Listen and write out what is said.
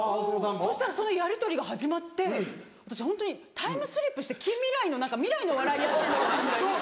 そしたらそのやりとりが始まって私ホントにタイムスリップして近未来の未来のお笑いやってんのかなとか。